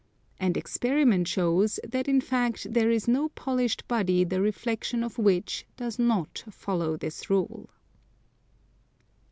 And experiment shows that in fact there is no polished body the reflexion of which does not follow this rule.